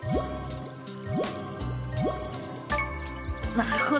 なるほど。